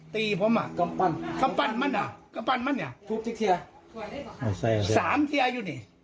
ทุบจิกเซียสามเซียอยู่นี่